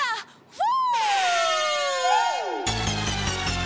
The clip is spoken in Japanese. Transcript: フォ！